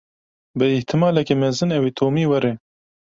Bi îhtîmaleke mezin ew ê Tomî were.